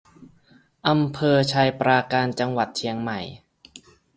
อำเภอไชยปราการ จังหวัดเชียงใหม่